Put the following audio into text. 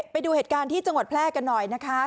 ไปดูเหตุการณ์ที่จังหวัดแพร่กันหน่อยนะคะ